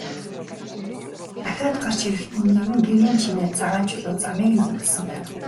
Дахиад гарч ирэхэд нь нэгэн гэрийн чинээ цагаан чулуу замыг нь бөглөсөн байв.